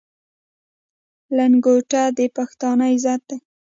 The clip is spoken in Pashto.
لنګوټه د پښتانه عزت دی.